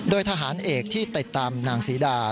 โดยทหารเอกที่ติดตามนางศรีดา